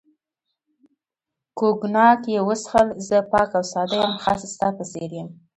کوګناک یې وڅښل، زه پاک او ساده یم، خاص ستا په څېر یم.